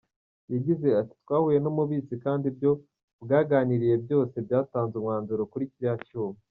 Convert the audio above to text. Yagize ati “Twahuye n’umubitsi kandi ibyo bwaganiriye byose byatanze umwanzuro kuri kiriya cyuma.